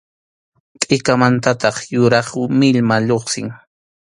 Tʼikanmantataq yuraq millwa lluqsin.